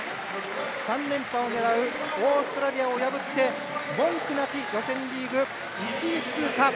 ３連覇を狙うオーストラリアを破って文句なし予選リーグ１位通過。